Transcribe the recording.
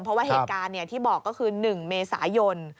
เพราะว่าเหตุการณ์ที่บอกก็คือ๑เมษายน